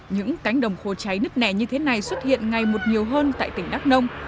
những cánh đồng khô cháy nứt nẻ như thế này xuất hiện ngày một nhiều hơn tại tỉnh đắk nông